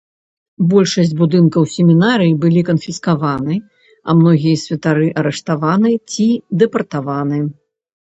Большасць будынкаў семінарыі былі канфіскаваны, а многія святары арыштаваны ці дэпартаваны.